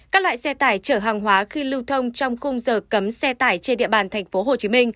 các loại xe tải chở hàng hóa khi lưu thông trong khung giờ cấm xe tải trên địa bàn tp hcm